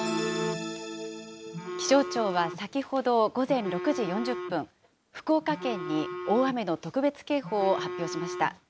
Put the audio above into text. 気象庁は先ほど午前６時４０分、福岡県に大雨の特別警報を発表しました。